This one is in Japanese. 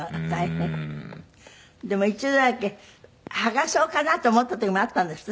でも一度だけ剥がそうかなと思った時もあったんですって？